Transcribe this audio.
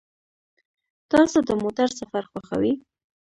تاسو د موټر سفر خوښوئ؟